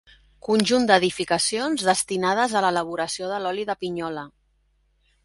Conjunt d'edificacions destinades a l'elaboració de l'oli de pinyola.